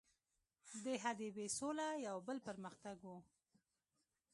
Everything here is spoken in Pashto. د حدیبې سوله یو بل پر مختګ وو.